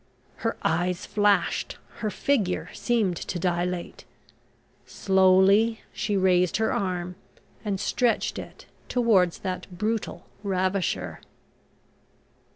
Her eyes flashed, her figure seemed to dilate. Slowly she raised her arm and stretched it towards that brutal ravisher...